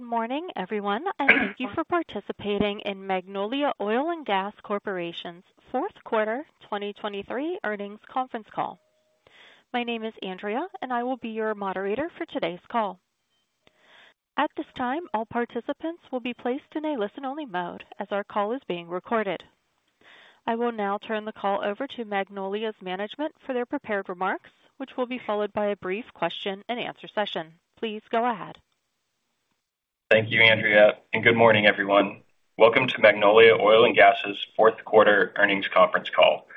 Good morning, everyone, and thank you for participating in Magnolia Oil & Gas Corporation's fourth quarter 2023 earnings conference call. My name is Andrea, and I will be your moderator for today's call. At this time, all participants will be placed in a listen-only mode as our call is being recorded. I will now turn the call over to Magnolia's management for their prepared remarks, which will be followed by a brief question-and-answer session. Please go ahead. Thank you, Andrea, and good morning, everyone. Welcome to Magnolia Oil & Gas's fourth quarter earnings conference call.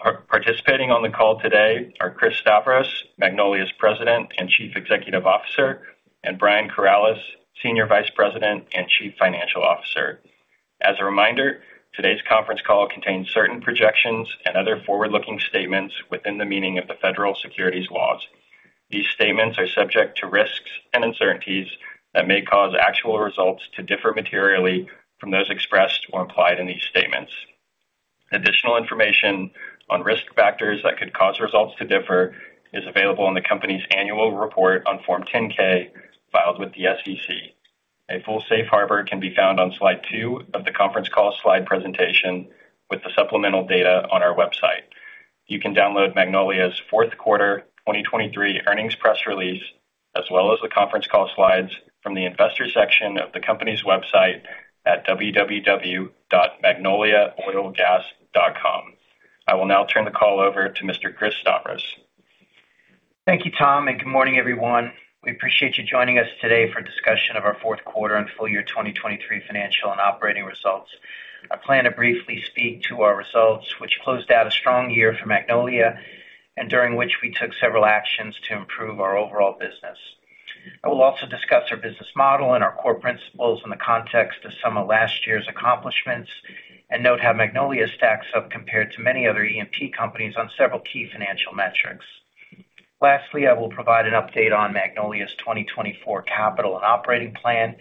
Participating on the call today are Chris Stavros, Magnolia's President and Chief Executive Officer, and Brian Corales, Senior Vice President and Chief Financial Officer. As a reminder, today's conference call contains certain projections and other forward-looking statements within the meaning of the federal securities laws. These statements are subject to risks and uncertainties that may cause actual results to differ materially from those expressed or implied in these statements. Additional information on risk factors that could cause results to differ is available in the company's annual report on Form 10-K filed with the SEC. A full safe harbor can be found on slide 2 of the conference call slide presentation with the supplemental data on our website. You can download Magnolia's fourth quarter 2023 earnings press release as well as the conference call slides from the investor section of the company's website at www.magnoliaoilgas.com. I will now turn the call over to Mr. Chris Stavros. Thank you, Tom, and good morning, everyone. We appreciate you joining us today for a discussion of our fourth quarter and full year 2023 financial and operating results. I plan to briefly speak to our results, which closed out a strong year for Magnolia and during which we took several actions to improve our overall business. I will also discuss our business model and our core principles in the context of some of last year's accomplishments and note how Magnolia stacks up compared to many other E&P companies on several key financial metrics. Lastly, I will provide an update on Magnolia's 2024 capital and operating plan,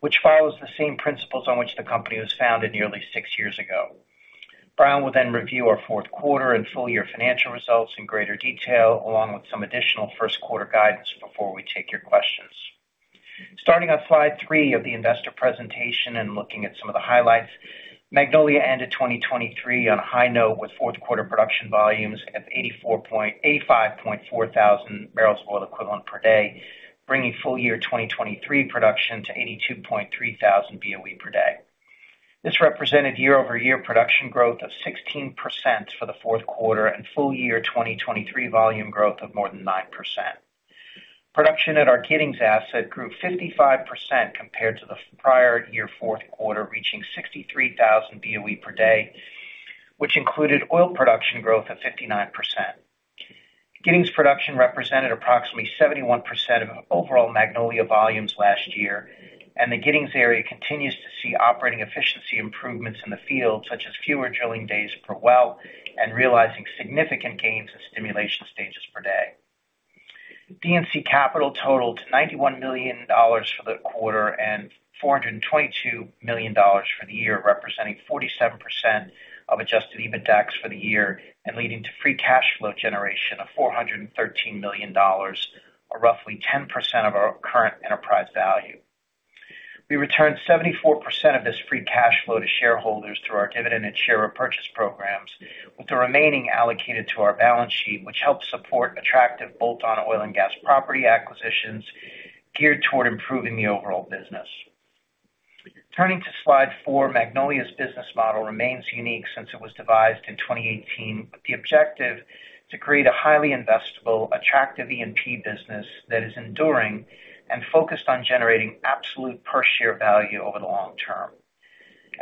which follows the same principles on which the company was founded nearly six years ago. Brian will then review our fourth quarter and full year financial results in greater detail along with some additional first quarter guidance before we take your questions. Starting on slide 3 of the investor presentation and looking at some of the highlights, Magnolia ended 2023 on a high note with fourth quarter production volumes of 85.4 thousand barrels of oil equivalent per day, bringing full year 2023 production to 82.3 thousand BOE per day. This represented year-over-year production growth of 16% for the fourth quarter and full year 2023 volume growth of more than 9%. Production at our Giddings asset grew 55% compared to the prior year fourth quarter, reaching 63,000 BOE per day, which included oil production growth of 59%. Giddings production represented approximately 71% of overall Magnolia volumes last year, and the Giddings area continues to see operating efficiency improvements in the field such as fewer drilling days per well and realizing significant gains in stimulation stages per day. D&C capital totaled $91 million for the quarter and $422 million for the year, representing 47% of adjusted EBITDA for the year and leading to free cash flow generation of $413 million, or roughly 10% of our current enterprise value. We returned 74% of this free cash flow to shareholders through our dividend and share repurchase programs, with the remaining allocated to our balance sheet, which helped support attractive bolt-on oil and gas property acquisitions geared toward improving the overall business. Turning to slide 4, Magnolia's business model remains unique since it was devised in 2018 with the objective to create a highly investable, attractive E&P business that is enduring and focused on generating absolute per-share value over the long term.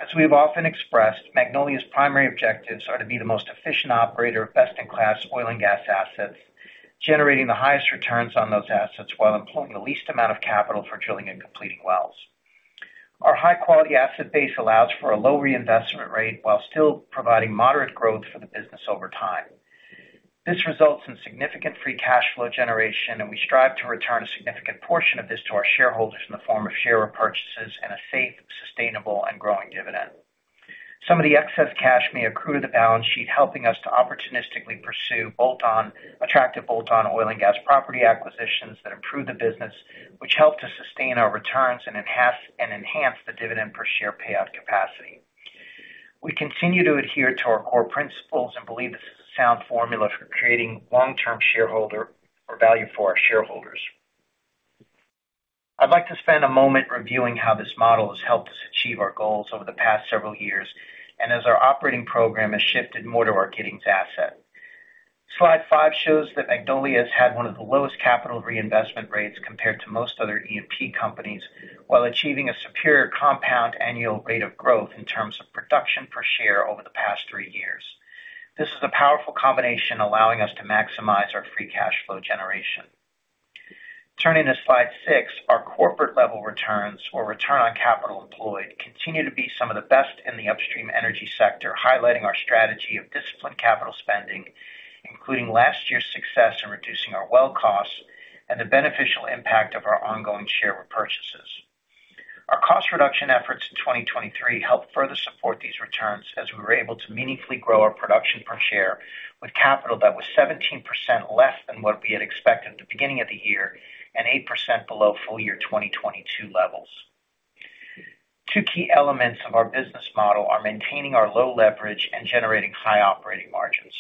As we have often expressed, Magnolia's primary objectives are to be the most efficient operator of best-in-class oil and gas assets, generating the highest returns on those assets while employing the least amount of capital for drilling and completing wells. Our high-quality asset base allows for a low reinvestment rate while still providing moderate growth for the business over time. This results in significant free cash flow generation, and we strive to return a significant portion of this to our shareholders in the form of share repurchases and a safe, sustainable, and growing dividend. Some of the excess cash may accrue to the balance sheet, helping us to opportunistically pursue attractive bolt-on oil and gas property acquisitions that improve the business, which help to sustain our returns and enhance the dividend per-share payout capacity. We continue to adhere to our core principles and believe this is a sound formula for creating long-term shareholder value for our shareholders. I'd like to spend a moment reviewing how this model has helped us achieve our goals over the past several years and as our operating program has shifted more to our Giddings asset. Slide 5 shows that Magnolia has had one of the lowest capital reinvestment rates compared to most other E&P companies while achieving a superior compound annual rate of growth in terms of production per share over the past three years. This is a powerful combination, allowing us to maximize our free cash flow generation. Turning to slide 6, our corporate-level returns, or return on capital employed, continue to be some of the best in the upstream energy sector, highlighting our strategy of disciplined capital spending, including last year's success in reducing our well costs and the beneficial impact of our ongoing share repurchases. Our cost reduction efforts in 2023 helped further support these returns as we were able to meaningfully grow our production per share with capital that was 17% less than what we had expected at the beginning of the year and 8% below full year 2022 levels. Two key elements of our business model are maintaining our low leverage and generating high operating margins.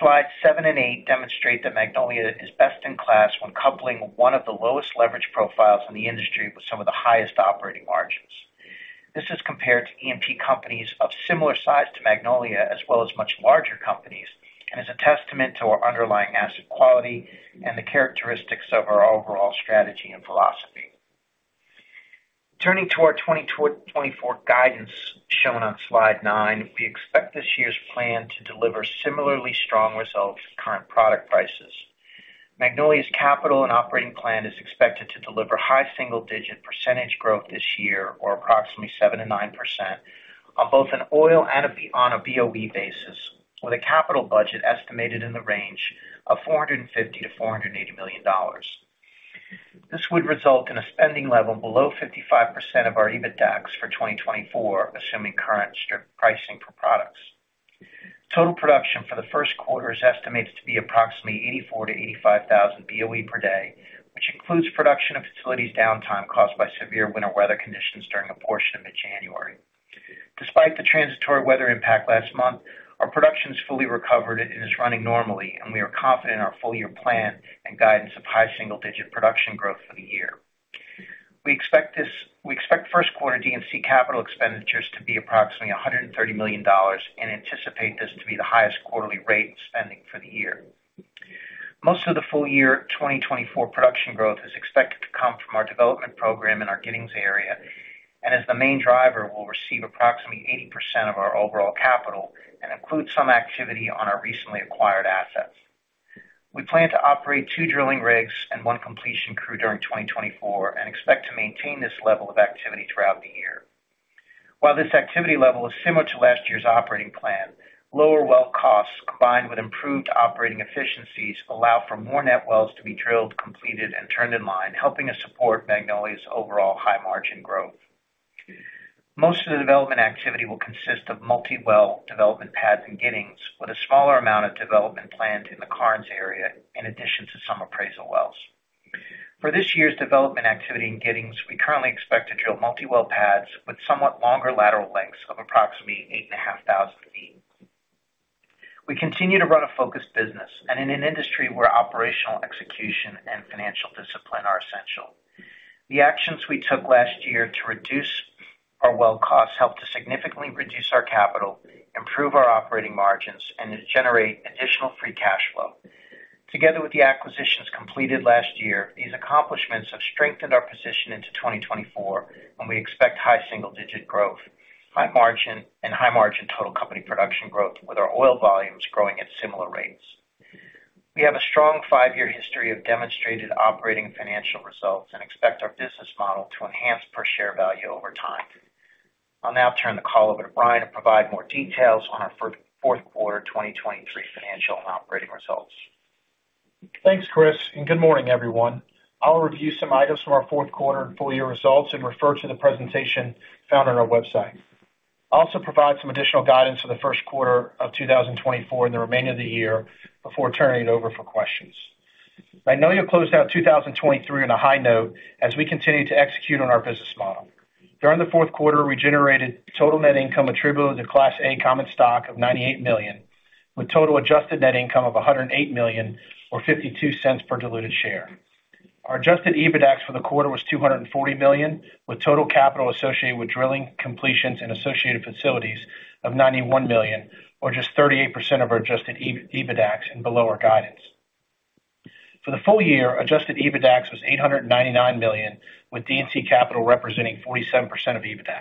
Slides 7 and 8 demonstrate that Magnolia is best-in-class when coupling one of the lowest leverage profiles in the industry with some of the highest operating margins. This is compared to E&P companies of similar size to Magnolia as well as much larger companies and is a testament to our underlying asset quality and the characteristics of our overall strategy and philosophy. Turning to our 2024 guidance shown on slide 9, we expect this year's plan to deliver similarly strong results to current product prices. Magnolia's capital and operating plan is expected to deliver high single-digit percentage growth this year, or approximately 7%-9%, on both an oil and a BOE basis, with a capital budget estimated in the range of $450 million-$480 million. This would result in a spending level below 55% of our EBITDA for 2024, assuming current pricing per products. Total production for the first quarter is estimated to be approximately 84,000-85,000 BOE per day, which includes production and facilities downtime caused by severe winter weather conditions during a portion of mid-January. Despite the transitory weather impact last month, our production is fully recovered and is running normally, and we are confident in our full year plan and guidance of high single-digit production growth for the year. We expect first quarter D&C capital expenditures to be approximately $130 million and anticipate this to be the highest quarterly rate of spending for the year. Most of the full year 2024 production growth is expected to come from our development program in our Giddings area and, as the main driver, will receive approximately 80% of our overall capital and include some activity on our recently acquired assets. We plan to operate two drilling rigs and one completion crew during 2024 and expect to maintain this level of activity throughout the year. While this activity level is similar to last year's operating plan, lower well costs combined with improved operating efficiencies allow for more net wells to be drilled, completed, and turned in line, helping us support Magnolia's overall high-margin growth. Most of the development activity will consist of multiwell development pads in Giddings, with a smaller amount of development planned in the Karnes area in addition to some appraisal wells. For this year's development activity in Giddings, we currently expect to drill multiwell pads with somewhat longer lateral lengths of approximately 8,500 ft. We continue to run a focused business and in an industry where operational execution and financial discipline are essential. The actions we took last year to reduce our well costs helped to significantly reduce our capital, improve our operating margins, and generate additional free cash flow. Together with the acquisitions completed last year, these accomplishments have strengthened our position into 2024, and we expect high single-digit growth, high margin, and high-margin total company production growth, with our oil volumes growing at similar rates. We have a strong five-year history of demonstrated operating financial results and expect our business model to enhance per-share value over time. I'll now turn the call over to Brian to provide more details on our fourth quarter 2023 financial and operating results. Thanks, Chris, and good morning, everyone. I'll review some items from our fourth quarter and full year results and refer to the presentation found on our website. I'll also provide some additional guidance for the first quarter of 2024 and the remainder of the year before turning it over for questions. Magnolia closed out 2023 on a high note as we continue to execute on our business model. During the fourth quarter, we generated total net income attributable to Class A common stock of $98 million, with total adjusted net income of $108 million, or $0.52 per diluted share. Our adjusted EBITDA for the quarter was $240 million, with total capital associated with drilling, completions, and associated facilities of $91 million, or just 38% of our adjusted EBITDA and below our guidance. For the full year, adjusted EBITDA was $899 million, with D&C capital representing 47% of EBITDA.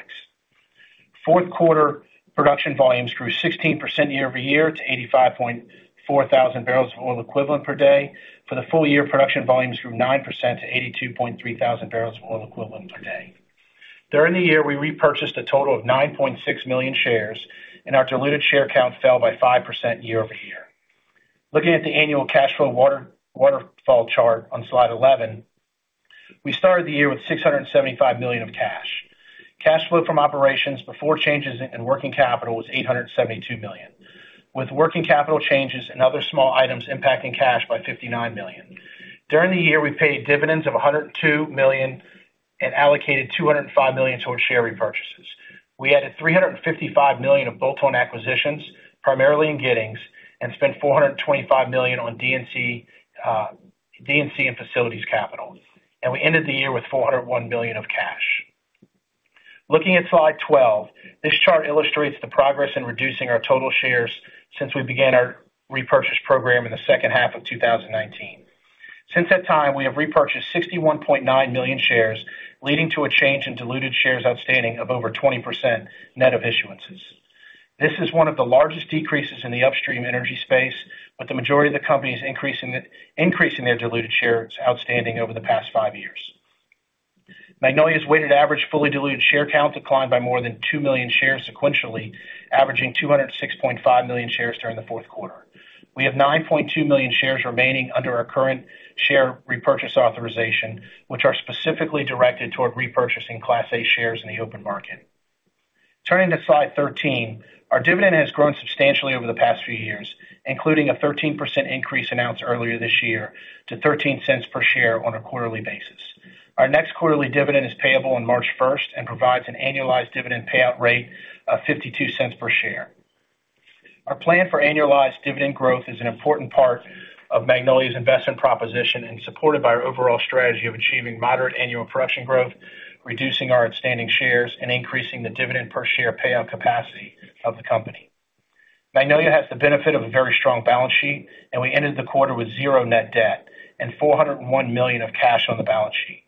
Fourth quarter, production volumes grew 16% year-over-year to 85.4 thousand barrels of oil equivalent per day. For the full year, production volumes grew 9% to 82.3 thousand barrels of oil equivalent per day. During the year, we repurchased a total of 9.6 million shares, and our diluted share count fell by 5% year-over-year. Looking at the annual cash flow waterfall chart on slide 11, we started the year with $675 million of cash. Cash flow from operations before changes in working capital was $872 million, with working capital changes and other small items impacting cash by $59 million. During the year, we paid dividends of $102 million and allocated $205 million toward share repurchases. We added $355 million of bolt-on acquisitions, primarily in Giddings, and spent $425 million on D&C and facilities capital, and we ended the year with $401 million of cash. Looking at slide 12, this chart illustrates the progress in reducing our total shares since we began our repurchase program in the second half of 2019. Since that time, we have repurchased 61.9 million shares, leading to a change in diluted shares outstanding of over 20% net of issuances. This is one of the largest decreases in the upstream energy space, with the majority of the companies increasing their diluted shares outstanding over the past five years. Magnolia's weighted average fully diluted share count declined by more than 2 million shares sequentially, averaging 206.5 million shares during the fourth quarter. We have 9.2 million shares remaining under our current share repurchase authorization, which are specifically directed toward repurchasing class A shares in the open market. Turning to slide 13, our dividend has grown substantially over the past few years, including a 13% increase announced earlier this year to $0.13 per share on a quarterly basis. Our next quarterly dividend is payable on March 1st and provides an annualized dividend payout rate of $0.52 per share. Our plan for annualized dividend growth is an important part of Magnolia's investment proposition and supported by our overall strategy of achieving moderate annual production growth, reducing our outstanding shares, and increasing the dividend per share payout capacity of the company. Magnolia has the benefit of a very strong balance sheet, and we ended the quarter with zero net debt and $401 million of cash on the balance sheet.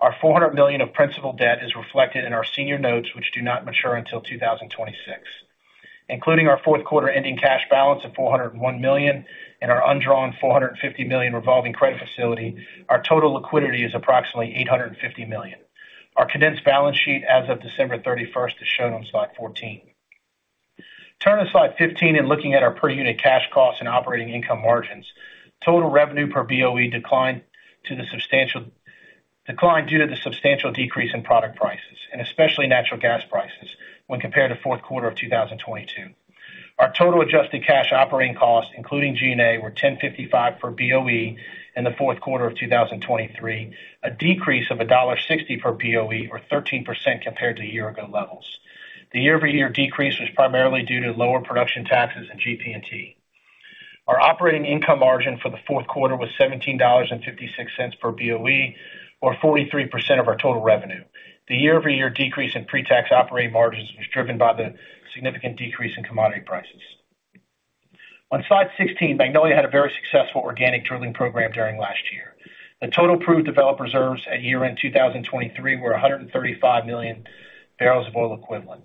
Our $400 million of principal debt is reflected in our senior notes, which do not mature until 2026. Including our fourth quarter ending cash balance of $401 million and our undrawn $450 million revolving credit facility, our total liquidity is approximately $850 million. Our condensed balance sheet as of December 31st is shown on slide 14. Turning to slide 15 and looking at our per-unit cash costs and operating income margins, total revenue per BOE declined due to the substantial decrease in product prices, and especially natural gas prices, when compared to fourth quarter of 2022. Our total adjusted cash operating costs, including G&A, were $10.55 per BOE in the fourth quarter of 2023, a decrease of $1.60 per BOE, or 13% compared to year-ago levels. The year-over-year decrease was primarily due to lower production taxes and GP&T. Our operating income margin for the fourth quarter was $17.56 per BOE, or 43% of our total revenue. The year-over-year decrease in pre-tax operating margins was driven by the significant decrease in commodity prices. On slide 16, Magnolia had a very successful organic drilling program during last year. The total proved developed reserves at year-end 2023 were 135 million barrels of oil equivalent.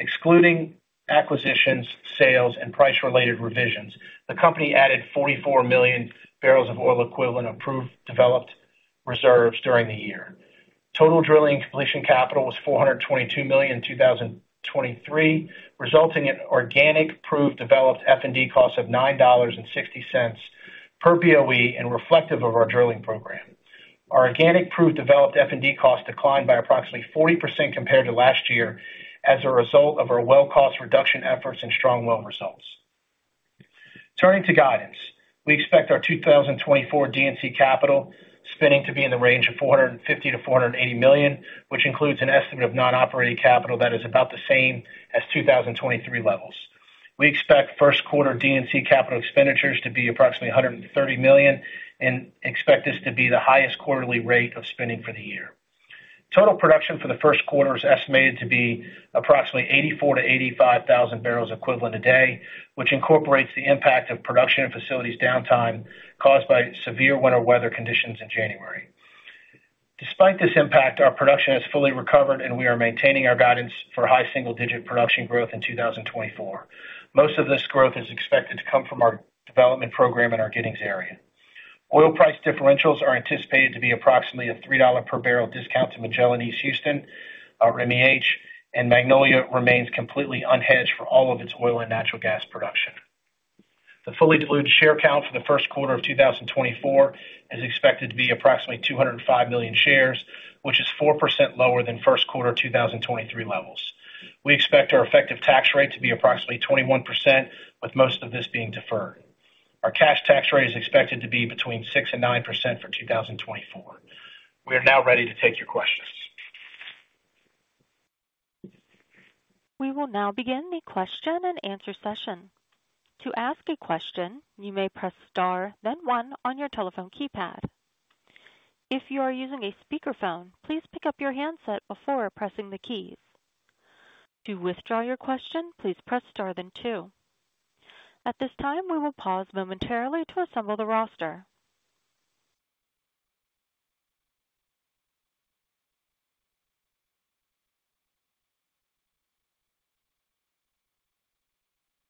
Excluding acquisitions, sales, and price-related revisions, the company added 44 million barrels of oil equivalent proved developed reserves during the year. Total drilling and completion capital was $422 million in 2023, resulting in organic proved developed F&D costs of $9.60 per BOE and reflective of our drilling program. Our organic proved developed F&D costs declined by approximately 40% compared to last year as a result of our well cost reduction efforts and strong well results. Turning to guidance, we expect our 2024 D&C capital spending to be in the range of $450 million-$480 million, which includes an estimate of non-operating capital that is about the same as 2023 levels. We expect first quarter D&C capital expenditures to be approximately $130 million and expect this to be the highest quarterly rate of spending for the year. Total production for the first quarter is estimated to be approximately 84,000-85,000 barrels of oil equivalent a day, which incorporates the impact of production and facilities downtime caused by severe winter weather conditions in January. Despite this impact, our production has fully recovered, and we are maintaining our guidance for high single-digit production growth in 2024. Most of this growth is expected to come from our development program in our Giddings area. Oil price differentials are anticipated to be approximately a $3 per barrel discount to Magellan East Houston, or MEH, and Magnolia remains completely unhedged for all of its oil and natural gas production. The fully diluted share count for the first quarter of 2024 is expected to be approximately 205 million shares, which is 4% lower than first quarter 2023 levels. We expect our effective tax rate to be approximately 21%, with most of this being deferred. Our cash tax rate is expected to be between 6% and 9% for 2024. We are now ready to take your questions. We will now begin the question and answer session. To ask a question, you may press star, then one, on your telephone keypad. If you are using a speakerphone, please pick up your handset before pressing the keys. To withdraw your question, please press star, then two. At this time, we will pause momentarily to assemble the roster.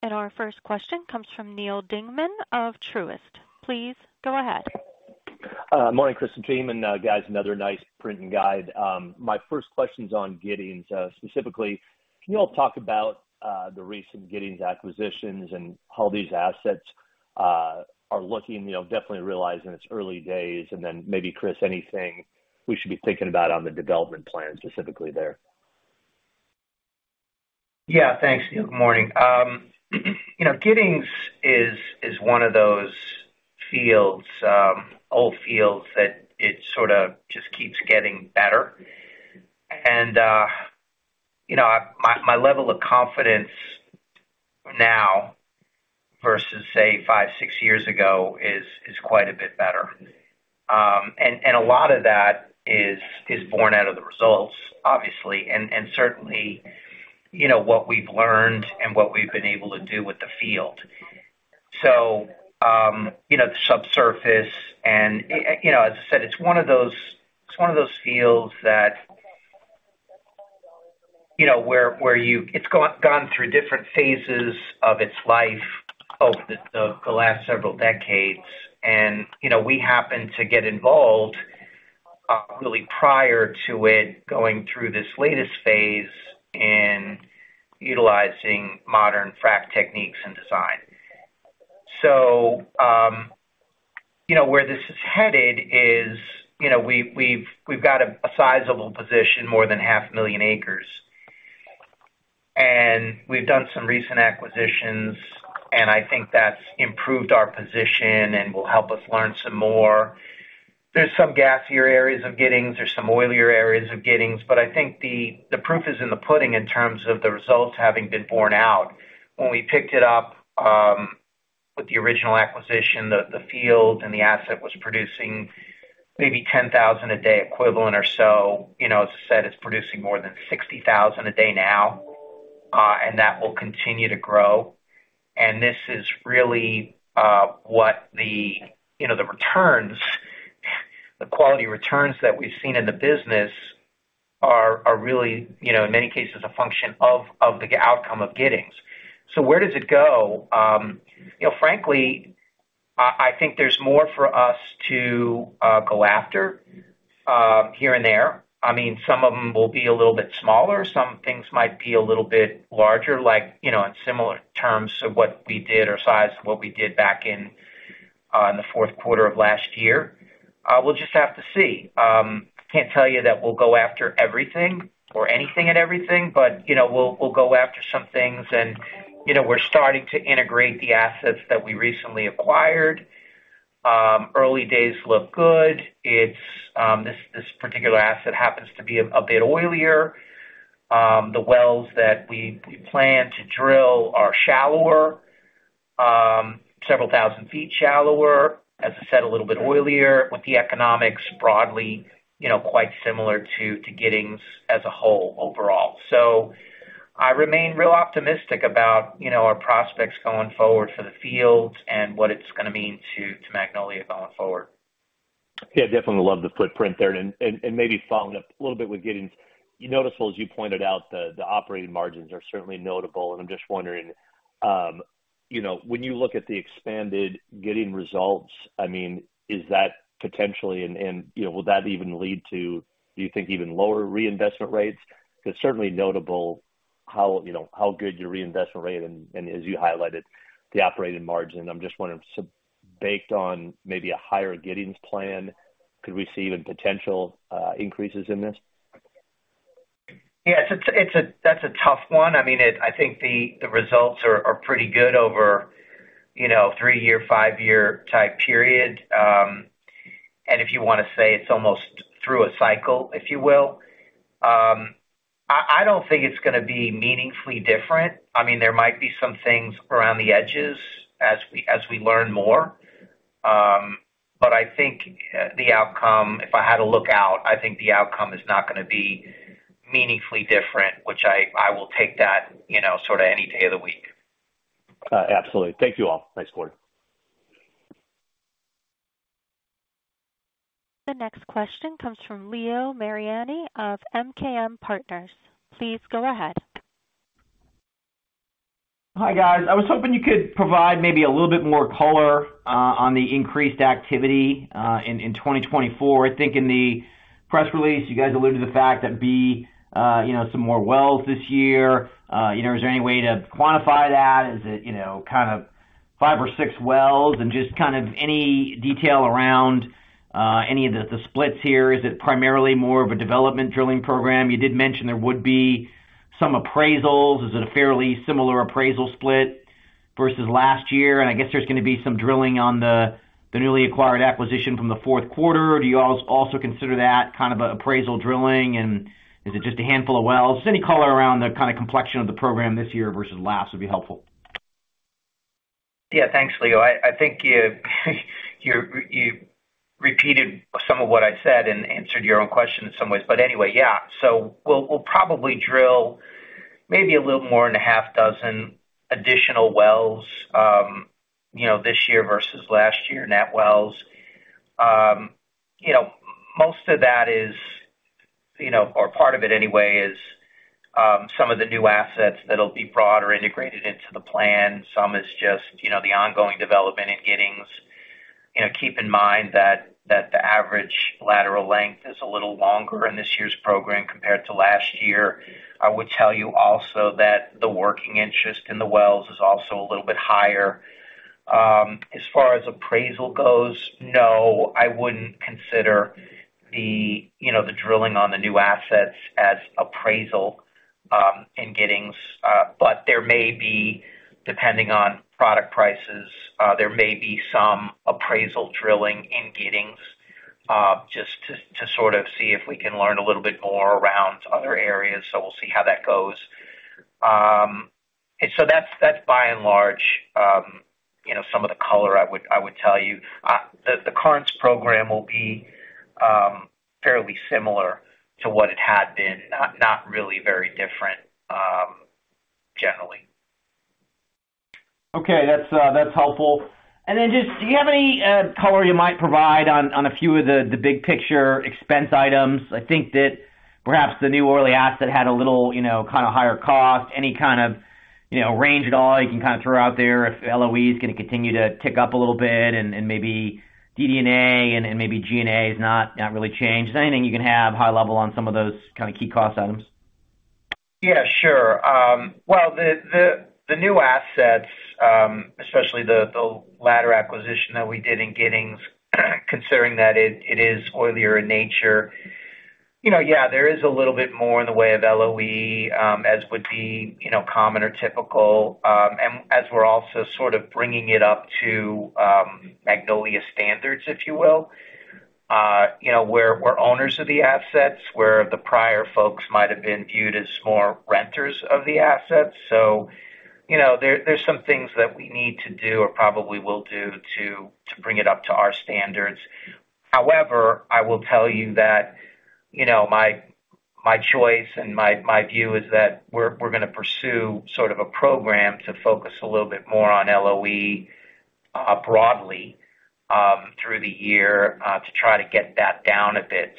Our first question comes from Neal Dingmann of Truist. Please go ahead. Morning, Chris and Brian. This is another nice print and guide. My first question is on Giddings. Specifically, can you all talk about the recent Giddings acquisitions and how these assets are looking, definitely realizing it's early days, and then maybe, Chris, anything we should be thinking about on the development plan specifically there? Yeah, thanks, Neal. Good morning. Giddings is one of those old fields that it sort of just keeps getting better. And my level of confidence now versus, say, five to six years ago is quite a bit better. And a lot of that is born out of the results, obviously, and certainly what we've learned and what we've been able to do with the field. So the subsurface and, as I said, it's one of those fields that where you it's gone through different phases of its life over the last several decades. And we happened to get involved really prior to it going through this latest phase in utilizing modern frac techniques and design. So where this is headed is we've got a sizable position, more than 500,000 acres. And we've done some recent acquisitions, and I think that's improved our position and will help us learn some more. There's some gassier areas of Giddings. There's some oilier areas of Giddings. But I think the proof is in the pudding in terms of the results having been borne out. When we picked it up with the original acquisition, the field and the asset was producing maybe 10,000 a day equivalent or so. As I said, it's producing more than 60,000 a day now, and that will continue to grow. And this is really what the returns, the quality returns that we've seen in the business are really, in many cases, a function of the outcome of Giddings. So where does it go? Frankly, I think there's more for us to go after here and there. I mean, some of them will be a little bit smaller. Some things might be a little bit larger in similar terms of what we did or size of what we did back in the fourth quarter of last year. We'll just have to see. I can't tell you that we'll go after everything or anything and everything, but we'll go after some things. And we're starting to integrate the assets that we recently acquired. Early days look good. This particular asset happens to be a bit oilier. The wells that we plan to drill are shallower, several thousand feet shallower. As I said, a little bit oilier, with the economics broadly quite similar to Giddings as a whole overall. So I remain real optimistic about our prospects going forward for the field and what it's going to mean to Magnolia going forward. Yeah, definitely love the footprint there. Maybe following up a little bit with Giddings, noticeable, as you pointed out, the operating margins are certainly notable. I'm just wondering, when you look at the expanded Giddings results, I mean, is that potentially and will that even lead to, do you think, even lower reinvestment rates? Because certainly notable how good your reinvestment rate and, as you highlighted, the operating margin. I'm just wondering, so baked on maybe a higher Giddings plan, could we see even potential increases in this? Yeah, that's a tough one. I mean, I think the results are pretty good over a three-year, five-year type period. And if you want to say it's almost through a cycle, if you will. I don't think it's going to be meaningfully different. I mean, there might be some things around the edges as we learn more. But I think the outcome, if I had to look out, I think the outcome is not going to be meaningfully different, which I will take that sort of any day of the week. Absolutely. Thank you all. Nice quarter. The next question comes from Leo Mariani of MKM Partners. Please go ahead. Hi, guys. I was hoping you could provide maybe a little bit more color on the increased activity in 2024. I think in the press release, you guys alluded to the fact that be some more wells this year. Is there any way to quantify that? Is it kind of 5 or 6 wells and just kind of any detail around any of the splits here? Is it primarily more of a development drilling program? You did mention there would be some appraisals. Is it a fairly similar appraisal split versus last year? And I guess there's going to be some drilling on the newly acquired acquisition from the fourth quarter. Do you also consider that kind of appraisal drilling? And is it just a handful of wells? Just any color around the kind of complexion of the program this year versus last would be helpful. Yeah, thanks, Leo. I think you repeated some of what I said and answered your own question in some ways. But anyway, yeah. So we'll probably drill maybe a little more than six additional wells this year versus last year in those wells. Most of that is or part of it anyway is some of the new assets that'll be brought or integrated into the plan. Some is just the ongoing development in Giddings. Keep in mind that the average lateral length is a little longer in this year's program compared to last year. I would tell you also that the working interest in the wells is also a little bit higher. As far as appraisal goes, no, I wouldn't consider the drilling on the new assets as appraisal in Giddings. But there may be, depending on product prices, there may be some appraisal drilling in Giddings just to sort of see if we can learn a little bit more around other areas. So we'll see how that goes. So that's, by and large, some of the color I would tell you. The current program will be fairly similar to what it had been, not really very different, generally. Okay, that's helpful. And then, just do you have any color you might provide on a few of the big picture expense items? I think that perhaps the new oily asset had a little kind of higher cost. Any kind of range at all you can kind of throw out there if LOE is going to continue to tick up a little bit and maybe DD&A and maybe G&A is not really changed. Is there anything you can have high-level on some of those kind of key cost items? Yeah, sure. Well, the new assets, especially the latter acquisition that we did in Giddings, considering that it is oilier in nature, yeah, there is a little bit more in the way of LOE as would be common or typical. And as we're also sort of bringing it up to Magnolia standards, if you will, we're owners of the assets where the prior folks might have been viewed as more renters of the assets. So there's some things that we need to do or probably will do to bring it up to our standards. However, I will tell you that my choice and my view is that we're going to pursue sort of a program to focus a little bit more on LOE broadly through the year to try to get that down a bit.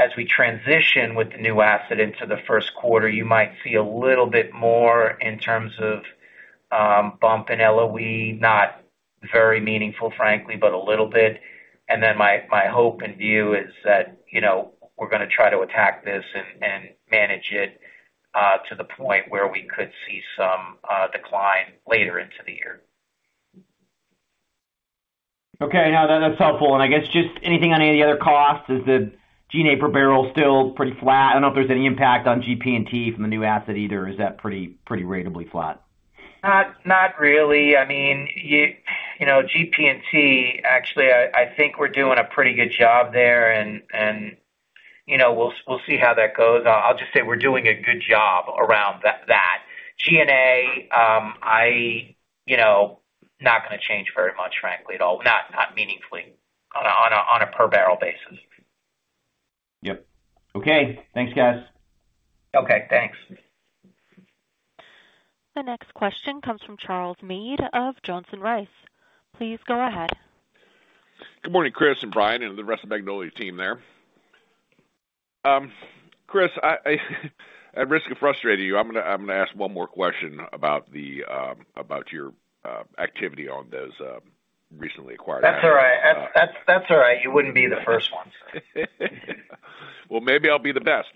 As we transition with the new asset into the first quarter, you might see a little bit more in terms of bump in LOE, not very meaningful, frankly, but a little bit. Then my hope and view is that we're going to try to attack this and manage it to the point where we could see some decline later into the year. Okay, no, that's helpful. And I guess just anything on any of the other costs, is the G&A per barrel still pretty flat? I don't know if there's any impact on GP&T from the new asset either. Is that pretty ratably flat? Not really. I mean, GP&T, actually, I think we're doing a pretty good job there, and we'll see how that goes. I'll just say we're doing a good job around that. G&A, not going to change very much, frankly, at all, not meaningfully on a per-barrel basis. Yep. Okay, thanks, guys. Okay, thanks. The next question comes from Charles Meade of Johnson Rice. Please go ahead. Good morning, Chris and Brian and the rest of the Magnolia team there. Chris, at risk of frustrating you, I'm going to ask one more question about your activity on those recently acquired assets. That's all right. That's all right. You wouldn't be the first one. Well, maybe I'll be the best.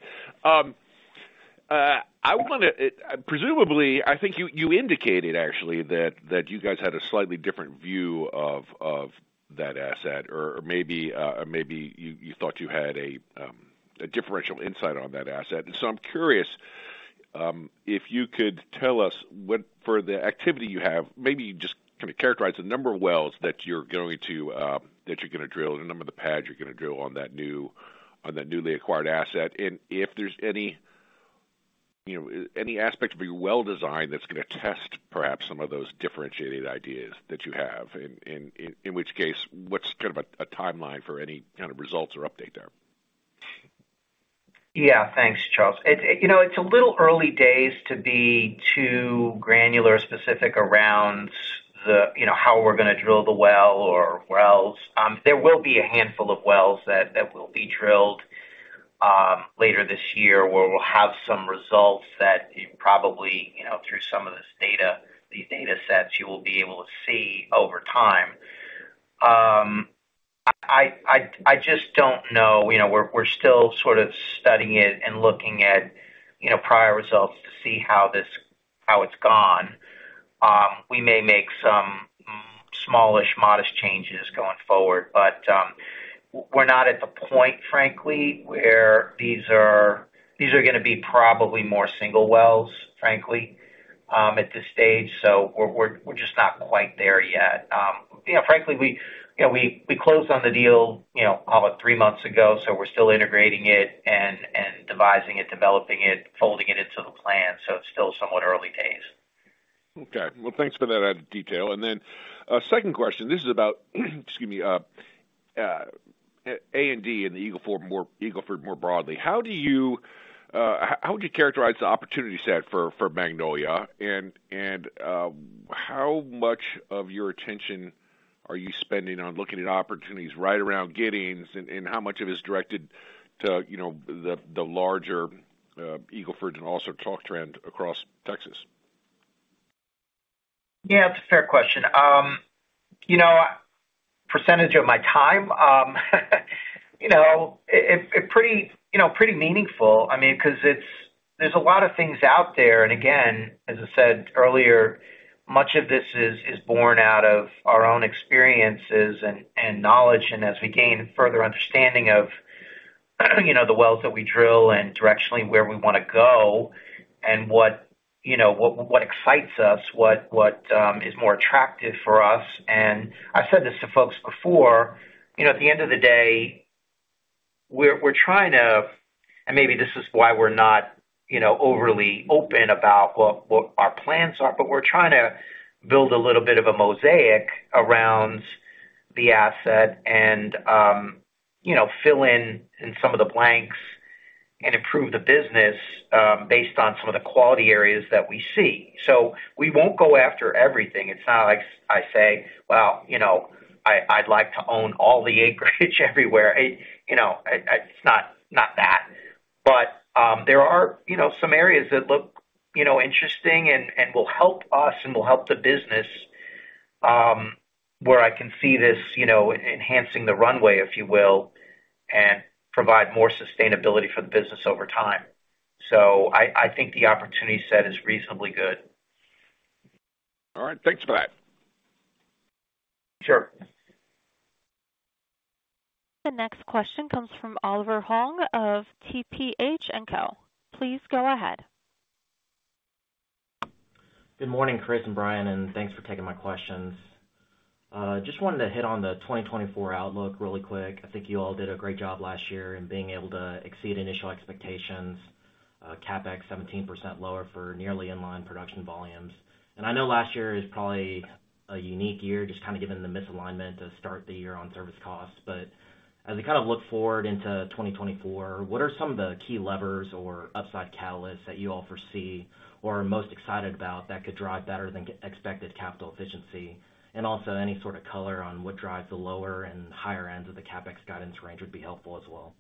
I want to presumably, I think you indicated, actually, that you guys had a slightly different view of that asset or maybe you thought you had a differential insight on that asset. And so I'm curious if you could tell us, for the activity you have, maybe just kind of characterize the number of wells that you're going to drill, the number of the pads you're going to drill on that newly acquired asset, and if there's any aspect of your well design that's going to test, perhaps, some of those differentiated ideas that you have. In which case, what's kind of a timeline for any kind of results or update there? Yeah, thanks, Charles. It's a little early days to be too granular, specific around how we're going to drill the well or wells. There will be a handful of wells that will be drilled later this year where we'll have some results that you probably, through some of this data, these datasets, you will be able to see over time. I just don't know. We're still sort of studying it and looking at prior results to see how it's gone. We may make some smallish, modest changes going forward, but we're not at the point, frankly, where these are going to be probably more single wells, frankly, at this stage. So we're just not quite there yet. Frankly, we closed on the deal, call it, three months ago. So we're still integrating it and devising it, developing it, folding it into the plan. So it's still somewhat early days. Okay. Well, thanks for that added detail. And then a second question. This is about, excuse me, A&D and the Eagle Ford more broadly. How would you characterize the opportunity set for Magnolia? And how much of your attention are you spending on looking at opportunities right around Giddings, and how much of it is directed to the larger Eagle Ford and also Chalk Trend across Texas? Yeah, that's a fair question. Percentage of my time, pretty meaningful, I mean, because there's a lot of things out there. And again, as I said earlier, much of this is born out of our own experiences and knowledge. And as we gain further understanding of the wells that we drill and directionally where we want to go and what excites us, what is more attractive for us. And I've said this to folks before. At the end of the day, we're trying to and maybe this is why we're not overly open about what our plans are, but we're trying to build a little bit of a mosaic around the asset and fill in some of the blanks and improve the business based on some of the quality areas that we see. So we won't go after everything. It's not like I say, "Well, I'd like to own all the acreage everywhere." It's not that. But there are some areas that look interesting and will help us and will help the business where I can see this enhancing the runway, if you will, and provide more sustainability for the business over time. So I think the opportunity set is reasonably good. All right. Thanks for that. Sure. The next question comes from Oliver Huang of TPH & Co. Please go ahead. Good morning, Chris and Brian, and thanks for taking my questions. Just wanted to hit on the 2024 outlook really quick. I think you all did a great job last year in being able to exceed initial expectations, CapEx 17% lower for nearly inline production volumes. I know last year is probably a unique year, just kind of given the misalignment to start the year on service costs. As we kind of look forward into 2024, what are some of the key levers or upside catalysts that you all foresee or are most excited about that could drive better-than-expected capital efficiency? And also, any sort of color on what drives the lower and higher ends of the CapEx guidance range would be helpful as well.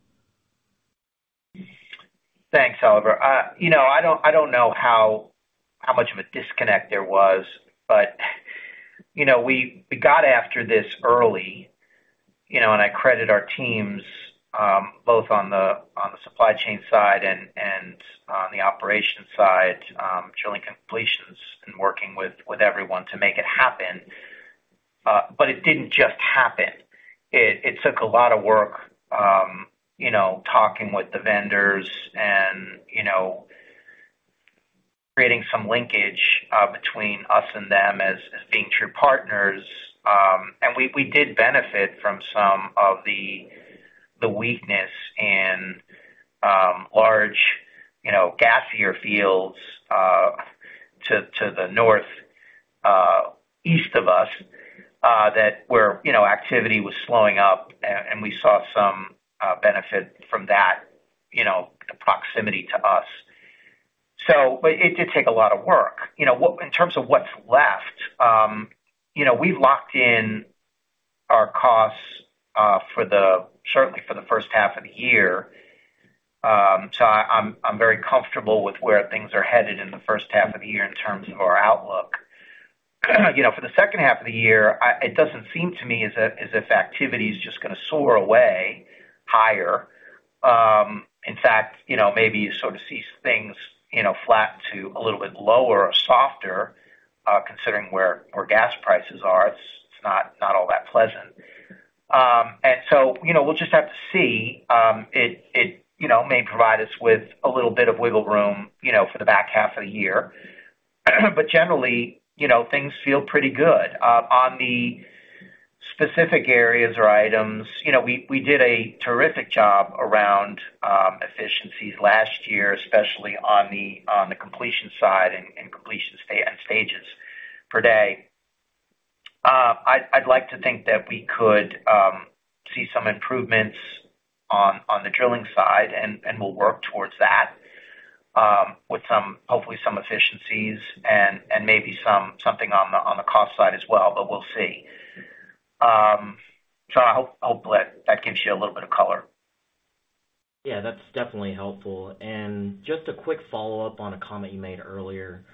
Thanks, Oliver. I don't know how much of a disconnect there was, but we got after this early. And I credit our teams, both on the supply chain side and on the operation side, drilling completions and working with everyone to make it happen. But it didn't just happen. It took a lot of work talking with the vendors and creating some linkage between us and them as being true partners. And we did benefit from some of the weakness in large, gassier fields to the northeast of us where activity was slowing up, and we saw some benefit from that, the proximity to us. But it did take a lot of work. In terms of what's left, we've locked in our costs, certainly for the first half of the year. So I'm very comfortable with where things are headed in the first half of the year in terms of our outlook. For the second half of the year, it doesn't seem to me as if activity is just going to soar away higher. In fact, maybe you sort of see things flatten to a little bit lower, softer, considering where gas prices are. It's not all that pleasant. And so we'll just have to see. It may provide us with a little bit of wiggle room for the back half of the year. But generally, things feel pretty good. On the specific areas or items, we did a terrific job around efficiencies last year, especially on the completion side and completion stages per day. I'd like to think that we could see some improvements on the drilling side, and we'll work towards that with hopefully some efficiencies and maybe something on the cost side as well, but we'll see. So I hope that gives you a little bit of color. Yeah, that's definitely helpful. Just a quick follow-up on a comment you made earlier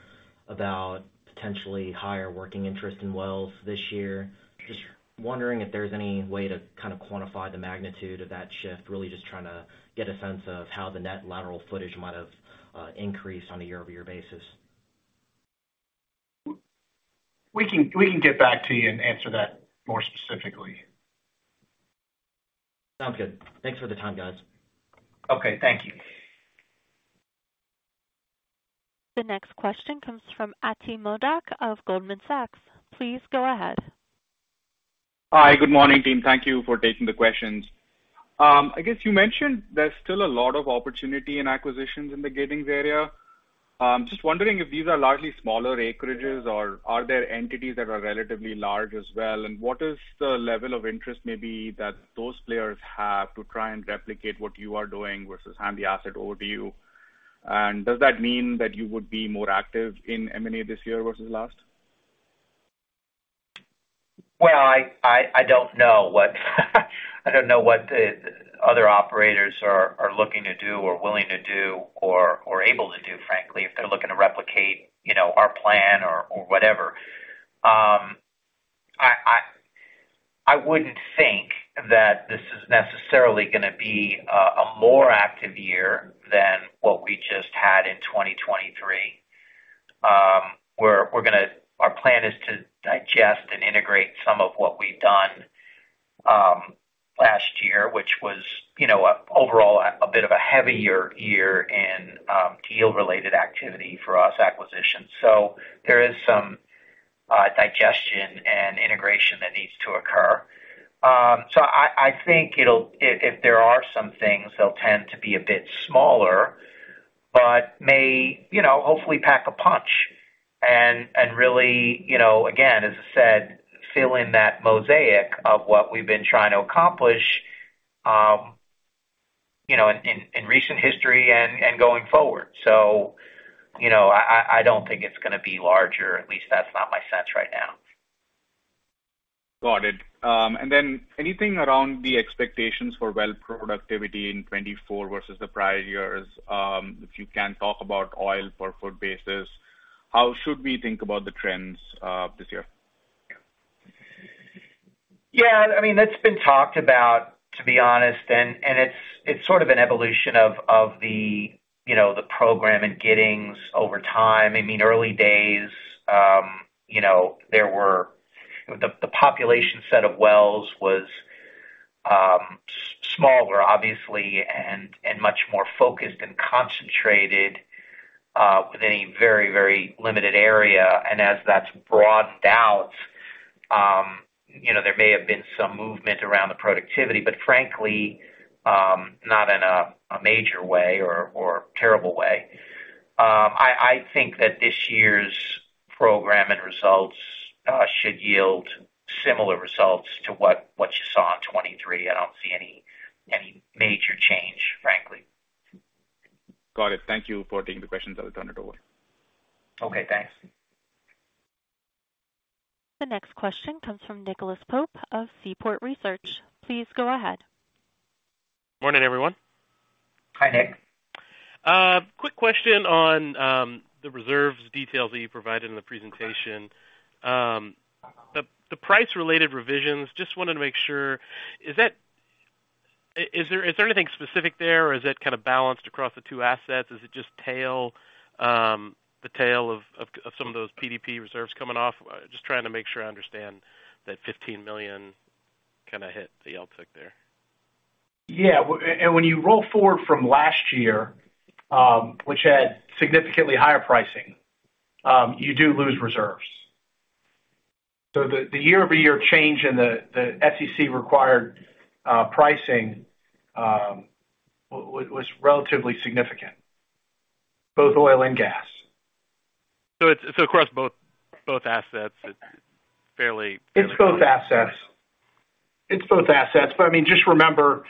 about potentially higher working interest in wells this year. Just wondering if there's any way to kind of quantify the magnitude of that shift, really just trying to get a sense of how the net lateral footage might have increased on a year-over-year basis. We can get back to you and answer that more specifically. Sounds good. Thanks for the time, guys. Okay, thank you. The next question comes from Ati Modak of Goldman Sachs. Please go ahead. Hi, good morning, team. Thank you for taking the questions. I guess you mentioned there's still a lot of opportunity and acquisitions in the Giddings area. Just wondering if these are largely smaller acreages or are there entities that are relatively large as well? And what is the level of interest maybe that those players have to try and replicate what you are doing versus hand the asset over to you? And does that mean that you would be more active in M&A this year versus last? Well, I don't know what the other operators are looking to do or willing to do or able to do, frankly, if they're looking to replicate our plan or whatever. I wouldn't think that this is necessarily going to be a more active year than what we just had in 2023. Our plan is to digest and integrate some of what we've done last year, which was overall a bit of a heavier year in deal-related activity for us, acquisitions. There is some digestion and integration that needs to occur. I think if there are some things, they'll tend to be a bit smaller but may hopefully pack a punch and really, again, as I said, fill in that mosaic of what we've been trying to accomplish in recent history and going forward. I don't think it's going to be larger. At least that's not my sense right now. Got it. And then anything around the expectations for well productivity in 2024 versus the prior years? If you can talk about oil per foot basis, how should we think about the trends this year? Yeah, I mean, that's been talked about, to be honest. It's sort of an evolution of the program and Giddings over time. I mean, early days, the population set of wells was smaller, obviously, and much more focused and concentrated within a very, very limited area. As that's broadened out, there may have been some movement around the productivity, but frankly, not in a major way or terrible way. I think that this year's program and results should yield similar results to what you saw in 2023. I don't see any major change, frankly. Got it. Thank you for taking the questions. I'll turn it over. Okay, thanks. The next question comes from Nicholas Pope of Seaport Research. Please go ahead. Morning, everyone. Hi, Nick. Quick question on the reserves details that you provided in the presentation. The price-related revisions, just wanted to make sure. Is there anything specific there, or is that kind of balanced across the two assets? Is it just the tail of some of those PDP reserves coming off? Just trying to make sure I understand that 15 million kind of hit the yield took there. Yeah. When you roll forward from last year, which had significantly higher pricing, you do lose reserves. The year-over-year change in the SEC-required pricing was relatively significant, both oil and gas. Across both assets, it's fairly significant? It's both assets. It's both assets. But I mean, just remember,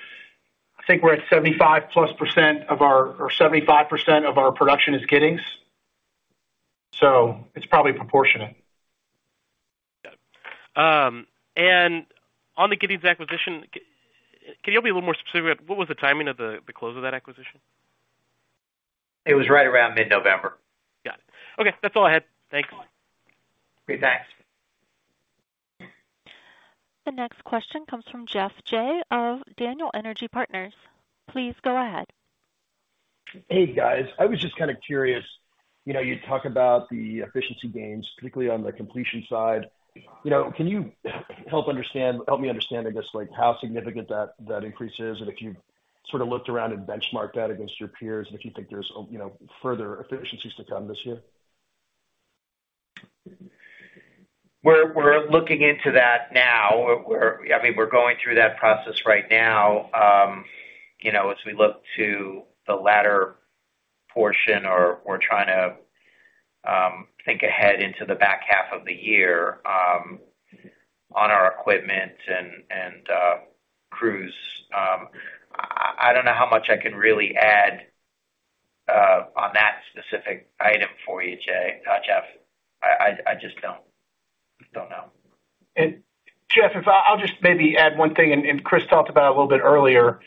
I think we're at 75%+ of our or 75% of our production is Giddings. So it's probably proportionate. Got it. On the Giddings acquisition, can you help me a little more specifically? What was the timing of the close of that acquisition? It was right around mid-November. Got it. Okay. That's all I had. Thanks. Great. Thanks. The next question comes from Geoff Jay of Daniel Energy Partners. Please go ahead. Hey, guys. I was just kind of curious. You talk about the efficiency gains, particularly on the completion side. Can you help me understand, I guess, how significant that increase is and if you've sort of looked around and benchmarked that against your peers and if you think there's further efficiencies to come this year? We're looking into that now. I mean, we're going through that process right now. As we look to the latter portion, we're trying to think ahead into the back half of the year on our equipment and crews. I don't know how much I can really add on that specific item for you, Geoff. I just don't know. And Geoff, if I'll just maybe add one thing. And Chris talked about it a little bit earlier.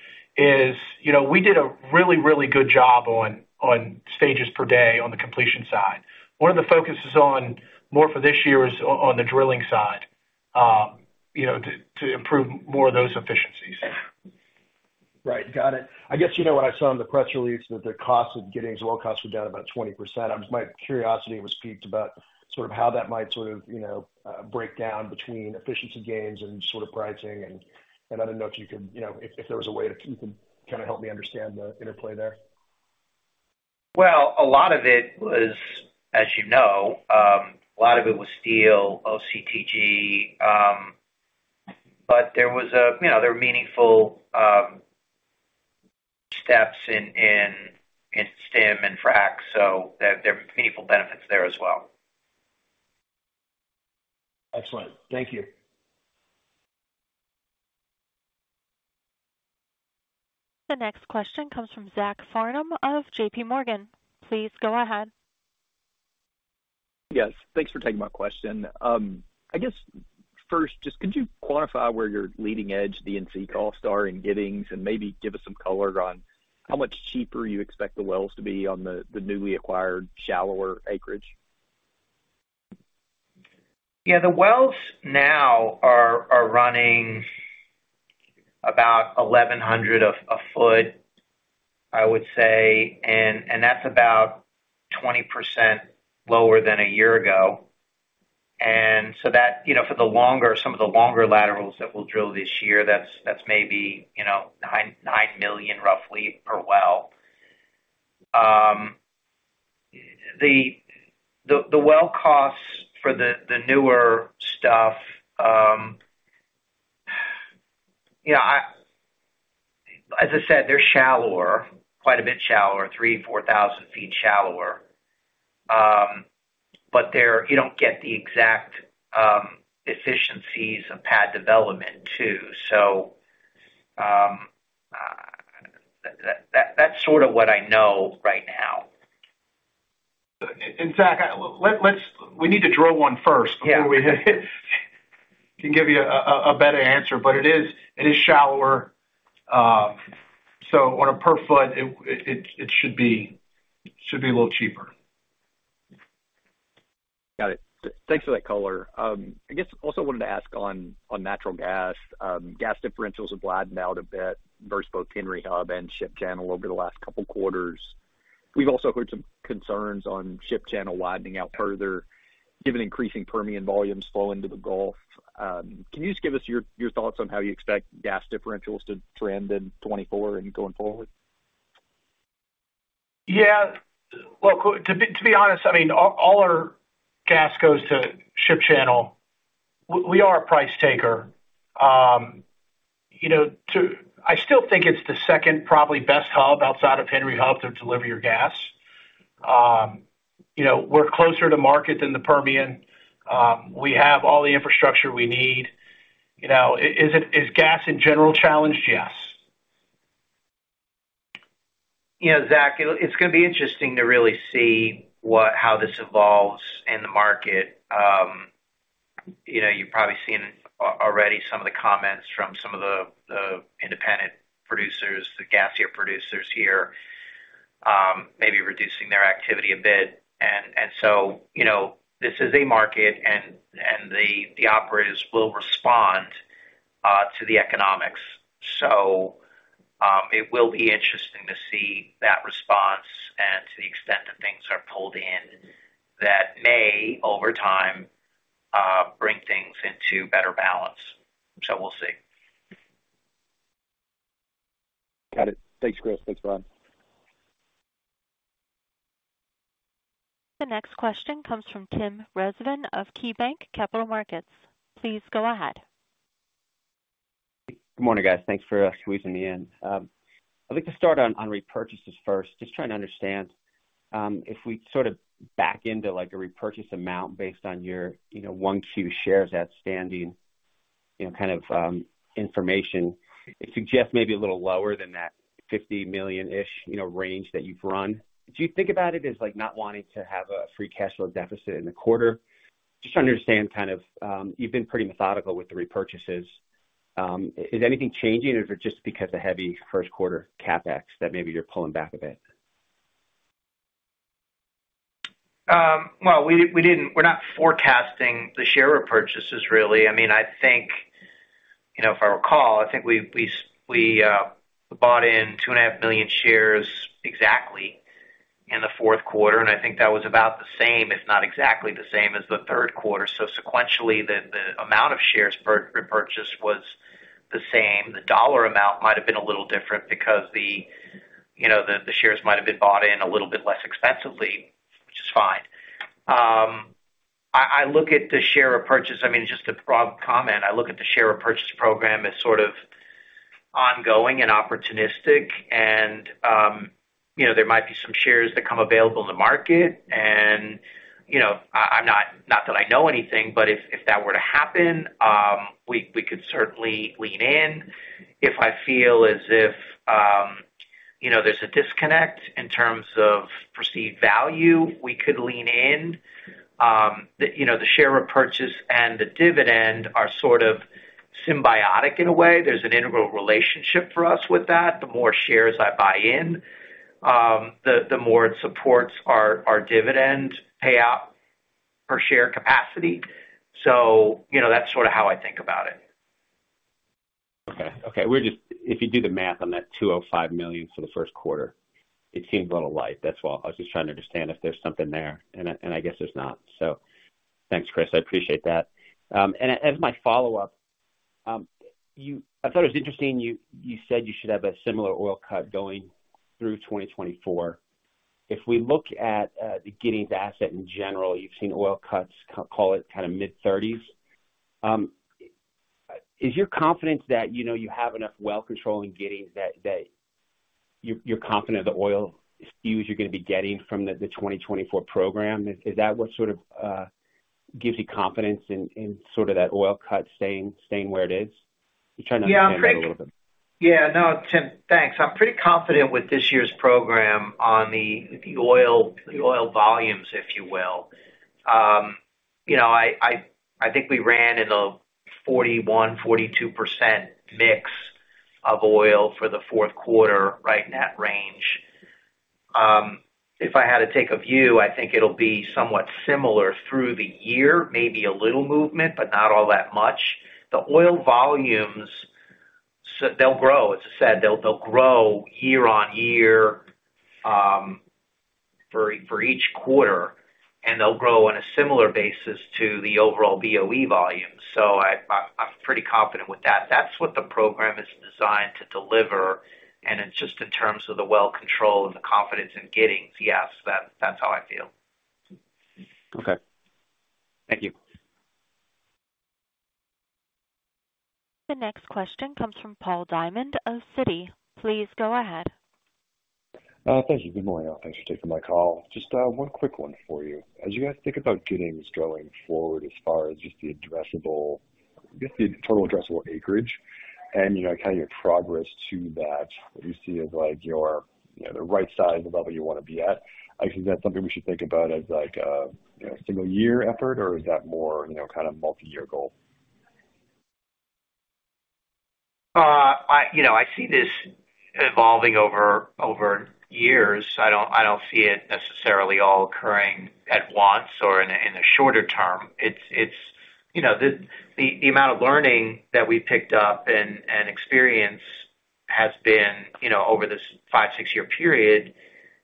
We did a really, really good job on stages per day on the completion side. One of the focuses more for this year is on the drilling side to improve more of those efficiencies. Right. Got it. I guess when I saw in the press release that the cost of Giddings oil costs were down about 20%, my curiosity was piqued about sort of how that might sort of break down between efficiency gains and sort of pricing. And I didn't know if you could if there was a way that you could kind of help me understand the interplay there. Well, a lot of it was, as you know, a lot of it was steel, OCTG. But there were meaningful steps in STEM and FRAC, so there were meaningful benefits there as well. Excellent. Thank you. The next question comes from Zach Parham of JPMorgan. Please go ahead. Yes. Thanks for taking my question. I guess first, just could you quantify where your leading edge, the McCall, are in Giddings and maybe give us some color on how much cheaper you expect the wells to be on the newly acquired shallower acreage? Yeah. The wells now are running about $1,100 a foot, I would say. That's about 20% lower than a year ago. So for some of the longer laterals that we'll drill this year, that's maybe $9 million, roughly, per well. The well costs for the newer stuff, as I said, they're shallower, quite a bit shallower, 3,000-4,000 ft shallower. But you don't get the exact efficiencies of pad development too. So that's sort of what I know right now. In fact, we need to drill one first before we can give you a better answer. But it is shallower. So on a per foot, it should be a little cheaper. Got it. Thanks for that color. I guess also wanted to ask on natural gas. Gas differentials have widened out a bit versus both Henry Hub and Ship Channel over the last couple of quarters. We've also heard some concerns on Ship Channel widening out further given increasing Permian volumes flowing into the Gulf. Can you just give us your thoughts on how you expect gas differentials to trend in 2024 and going forward? Yeah. Well, to be honest, I mean, all our gas goes to Ship Channel. We are a price taker. I still think it's the second probably best hub outside of Henry Hub to deliver your gas. We're closer to market than the Permian. We have all the infrastructure we need. Is gas, in general, challenged? Yes. Yeah, Zach, it's going to be interesting to really see how this evolves in the market. You've probably seen already some of the comments from some of the independent producers, the gassier producers here, maybe reducing their activity a bit. And so this is a market, and the operators will respond to the economics. So it will be interesting to see that response and to the extent that things are pulled in that may, over time, bring things into better balance. So we'll see. Got it. Thanks, Chris. Thanks, Brian. The next question comes from Tim Rezvan of KeyBanc Capital Markets. Please go ahead. Good morning, guys. Thanks for squeezing me in. I'd like to start on repurchases first, just trying to understand if we sort of back into a repurchase amount based on your 1Q shares outstanding kind of information, it suggests maybe a little lower than that $50 million-ish range that you've run. Do you think about it as not wanting to have a free cash flow deficit in the quarter? Just trying to understand kind of you've been pretty methodical with the repurchases. Is anything changing, or is it just because of heavy first-quarter CapEx that maybe you're pulling back a bit? Well, we're not forecasting the share repurchases, really. I mean, I think if I recall, I think we bought in 2.5 million shares exactly in the fourth quarter. And I think that was about the same, if not exactly the same, as the third quarter. So sequentially, the amount of shares repurchased was the same. The dollar amount might have been a little different because the shares might have been bought in a little bit less expensively, which is fine. I look at the share repurchase. I mean, just a broad comment. I look at the share repurchase program as sort of ongoing and opportunistic. And there might be some shares that come available in the market. And not that I know anything, but if that were to happen, we could certainly lean in. If I feel as if there's a disconnect in terms of perceived value, we could lean in. The share repurchase and the dividend are sort of symbiotic in a way. There's an integral relationship for us with that. The more shares I buy in, the more it supports our dividend payout per share capacity. So that's sort of how I think about it. Okay. Okay. If you do the math on that $205 million for the first quarter, it seems a little light. That's why I was just trying to understand if there's something there. And I guess there's not. So thanks, Chris. I appreciate that. And as my follow-up, I thought it was interesting. You said you should have a similar oil cut going through 2024. If we look at the Giddings asset in general, you've seen oil cuts, call it kind of mid-30s%. Is your confidence that you have enough well-controlling Giddings that you're confident of the oil skews you're going to be getting from the 2024 program? Is that what sort of gives you confidence in sort of that oil cut staying where it is? Just trying to understand that a little bit. Yeah. No, Tim, thanks. I'm pretty confident with this year's program on the oil volumes, if you will. I think we ran in a 41%-42% mix of oil for the fourth quarter, right in that range. If I had to take a view, I think it'll be somewhat similar through the year, maybe a little movement, but not all that much. The oil volumes, they'll grow. As I said, they'll grow year-over-year for each quarter. And they'll grow on a similar basis to the overall BOE volumes. So I'm pretty confident with that. That's what the program is designed to deliver. And just in terms of the well control and the confidence in Giddings, yes, that's how I feel. Okay. Thank you. The next question comes from Paul Diamond of Citi. Please go ahead. Thank you. Good morning, all. Thanks for taking my call. Just one quick one for you. As you guys think about Giddings going forward as far as just the addressable I guess the total addressable acreage and kind of your progress to that, what you see as the right size of what you want to be at, I guess is that something we should think about as a single-year effort, or is that more kind of multi-year goal? I see this evolving over years. I don't see it necessarily all occurring at once or in the shorter term. The amount of learning that we picked up and experience has been over this 5-6-year period.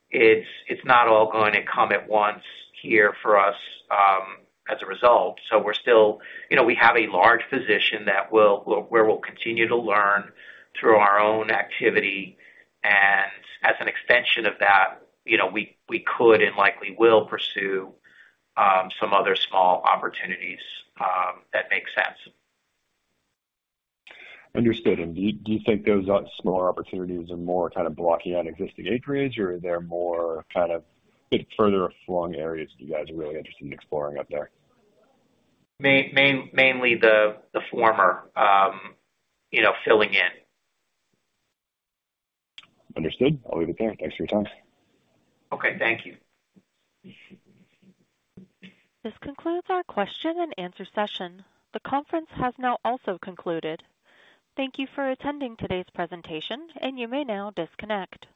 It's not all going to come at once here for us as a result. So we have a large position where we'll continue to learn through our own activity. And as an extension of that, we could and likely will pursue some other small opportunities that make sense. Understood. Do you think those smaller opportunities are more kind of blocking out existing acreage, or are there more kind of far-flung areas that you guys are really interested in exploring up there? Mainly the former filling in. Understood. I'll leave it there. Thanks for your time. Okay. Thank you. This concludes our question and answer session. The conference has now also concluded. Thank you for attending today's presentation, and you may now disconnect.